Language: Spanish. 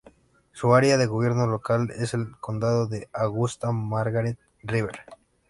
Su área de gobierno local es el condado de Augusta-Margaret River.